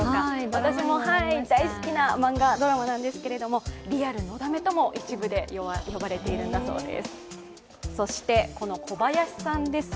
私も大好きな漫画、ドラマなんですけど、リアルのだめとも一部で呼ばれているんだそうです。